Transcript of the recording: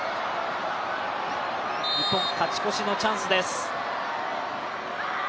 日本、勝ち越しのチャンスです。